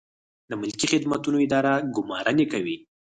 د ملکي خدمتونو اداره ګمارنې کوي